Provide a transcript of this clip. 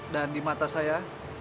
dan di mata saya